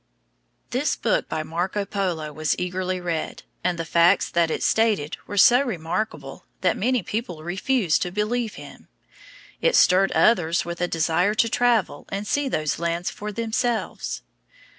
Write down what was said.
This book by Marco Polo was eagerly read, and the facts that it stated were so remarkable that many people refused to believe them. It stirred others with a desire to travel and see those lands for themselves.